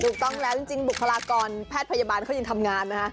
ถูกต้องแล้วจริงบุคลากรแพทย์พยาบาลเขายังทำงานนะคะ